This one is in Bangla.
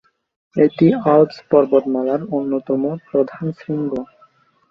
এটি আল্পস পর্বতমালার অন্যতম প্রধান শৃঙ্গ।